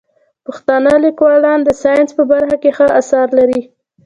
پښتانه لیکوالان د ساینس په برخه کې ښه اثار لري.